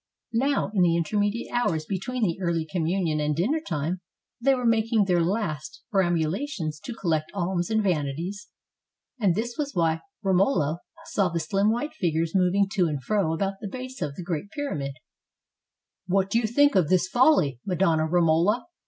Now, in the intermediate hours between the early communion and dinner time, they were making their last perambulations to collect alms and vanities, 60 THE BURNING OF THE VANITIES and this was why Romola saw the sHm white figures moving to and fro about the base of the great pyra mid. "What think you of this folly, Madonna Romola?"